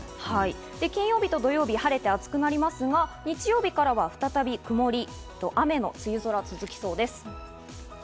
金曜日と土曜日は晴れて暑くなりますが、日曜日からは再び曇り、雨の梅雨空が続きそうです。